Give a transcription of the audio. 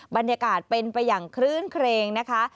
บรรยากาศเป็นไปอย่างคลื้นเครงนะคะ